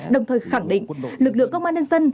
đồng thời khẳng định lực lượng công an nhân dân